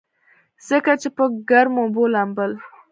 ځکه چې پۀ ګرمو اوبو لامبل